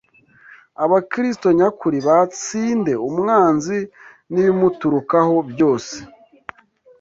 abakristo nyakuri batsinde umwanzi n’ibimuturukaho byose.